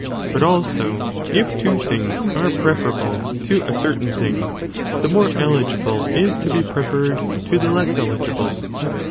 But also if two things are preferable to a certain thing, the more eligible is to be preferred to the less eligible.